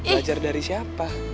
belajar dari siapa